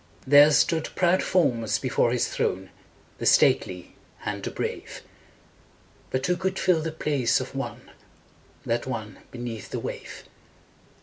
There stood proud forms before his throne, The stately and the brave; But who could fill the place of one, That one beneath the wave?